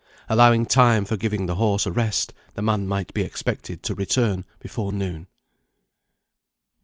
Allowing time for giving the horse a rest, the man might be expected to return before noon.